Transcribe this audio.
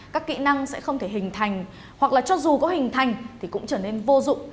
các kỹ năng sẽ không thể hình thành hoặc là cho dù có hình thành thì cũng trở nên vô dụng